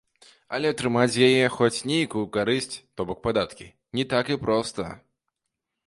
Але атрымаць з яе хоць нейкую карысць, то бок падаткі, не так і проста.